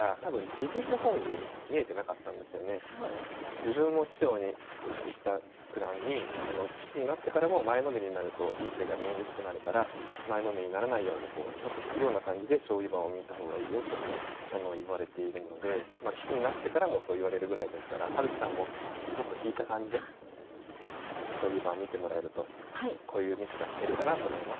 自分も師匠に石田九段に棋士になってからも前のめりになるといい手が見えにくくなるから前のめりにならないようにちょっと引くような感じで将棋盤を見た方がいいよと言われているので棋士になってからもそう言われるぐらいですから葉月さんもちょっと引いた感じで将棋盤見てもらえるとこういうミスが減るかなと思います。